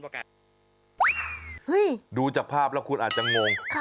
ดูจากภาพแล้วคุณอาจจะงง